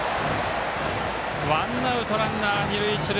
ワンアウト、ランナー、二塁一塁。